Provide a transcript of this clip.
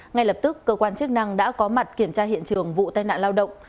ngay lập tức cơ quan chức năng đã có mặt kiểm tra hiện trường vụ tai nạn lao động